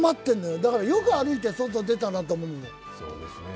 だからよく歩いて外出たなと思って。